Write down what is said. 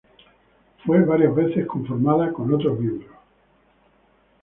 Fue varias veces conformada con otros miembros.